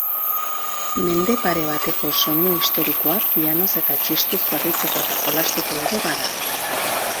Mende pare bateko soinu historikoa pianoz eta txistuz berritzeko eta jolasteko ere bada.